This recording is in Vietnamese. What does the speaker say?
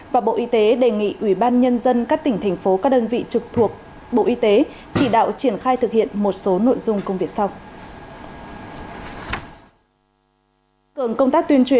và bộ y tế đề nghị ủy ban nhân dân các tỉnh thành phố các đơn vị trực thuộc bộ y tế chỉ đạo triển khai thực hiện một số nội dung công việc sau